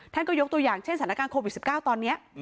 ท่านก็ยกตัวอย่างเช่นสถานการณ์โควิด๑๙ตอนนี้